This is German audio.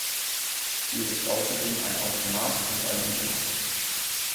Sie ist außerdem ein Automat und eine Uhr.